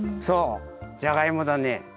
そうじゃがいもだね。